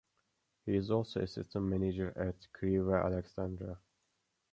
He is also assistant manager at Crewe Alexandra.